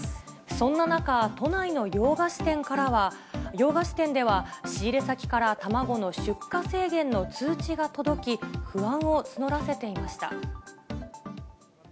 そんな中、都内の洋菓子店では仕入れ先から卵の出荷制限の通知が届き、不安を募らせていました。